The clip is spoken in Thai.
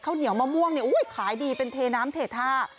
ข้าวเหนียวมะม่วงเนี่ยขายดีเป็นเทน้ำเทธา